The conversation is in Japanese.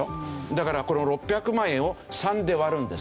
だからこの６００万円を３で割るんですよ。